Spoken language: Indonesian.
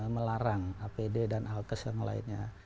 melarang apd dan alkes yang lainnya